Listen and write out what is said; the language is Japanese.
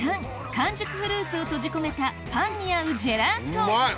完熟フルーツを閉じ込めたパンに合うジェラートうまい！